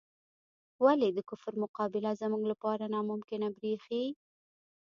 ولې د کفر مقابله زموږ لپاره ناممکنه بریښي؟